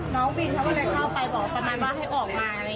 น้องวินเขาก็เลยเข้าไปบอกประมาณว่าให้ออกมาอะไรอย่างนี้